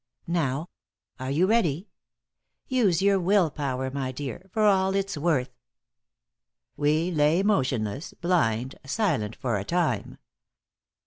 Now! Are you ready? Use your will power, my dear, for all it's worth." We lay motionless, blind, silent for a time.